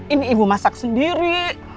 ini ibu masak sendiri